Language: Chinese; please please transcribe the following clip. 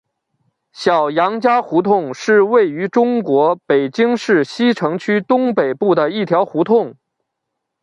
小杨家胡同是位于中国北京市西城区东北部的一条胡同。